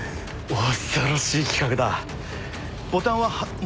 恐ろしい企画だ。